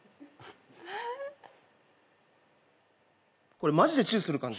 これマジでチューする感じ？